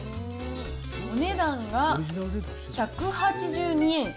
お値段が１８２円。